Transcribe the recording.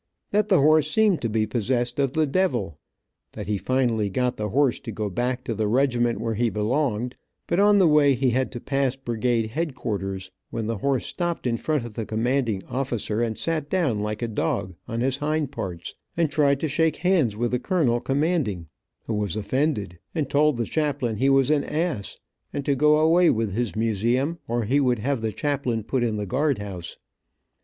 That the horse seemed to be possessed of the devil. That he finally got the horse to go back to the regiment where he belonged, but on the way he had to pass brigade headquarters, when the horse stopped in front of the commanding officer and sat down like a dog, on his hind parts, and tried to shake hands with the colonel commanding, who was offended, and told the chaplain he was an ass, and to go away with his museum, or he would have the chaplain put in the guard house.